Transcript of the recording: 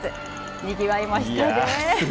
にぎわいましたね。